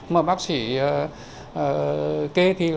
mà bác sĩ kê thì